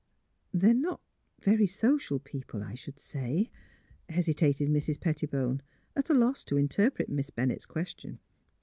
"'' They 're not — very social , people, I should say," hesitated Mrs. Pettibone, at a loss to inter pret Miss Bennett's question.